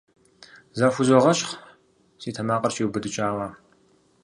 Захузогъэщхъ, си тэмакъыр щиубыдыкӀауэ.